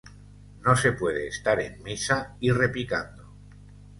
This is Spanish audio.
No se puede estar en misa y repicando